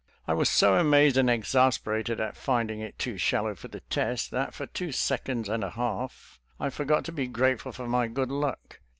I was so amazed and exasperated at finding it too shallow for the test, that for two seconds and a half I forgot to be grateful for my good luck.